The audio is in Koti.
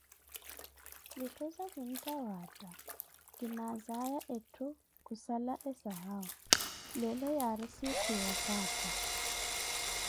vitthuza zintta waatta kiinazaya ntthu kusala asahau, leelo yaari siikhu ya opanja.